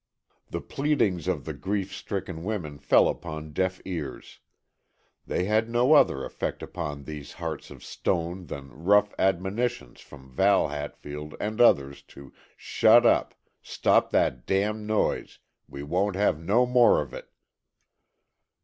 The pleadings of the grief stricken women fell upon deaf ears; they had no other effect upon these hearts of stone than rough admonitions from Val Hatfield and others to "shut up, stop that damned noise, we won't have no more of it."